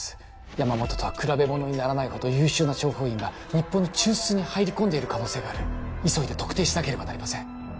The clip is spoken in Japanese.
山本とは比べものにならないほど優秀な諜報員が日本の中枢に入り込んでいる可能性がある急いで特定しなければなりません